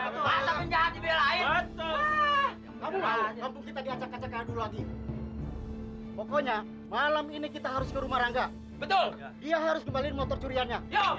pokoknya malam ini kita harus ke rumah rangga betul dia harus kembali motor curiannya